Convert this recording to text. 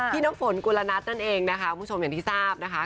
น้ำฝนกุลนัทนั่นเองนะคะคุณผู้ชมอย่างที่ทราบนะคะ